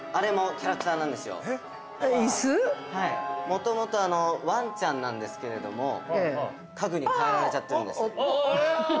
もともとワンちゃんなんですけれども、家具に変えられちゃってるんですよ。